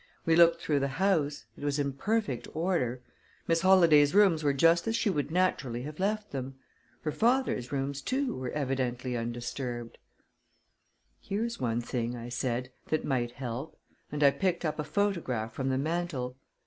We looked through the house it was in perfect order. Miss Holladay's rooms were just as she would naturally have left them. Her father's rooms, too, were evidently undisturbed. "Here's one thing," I said, "that might help," and I picked up a photograph from the mantel.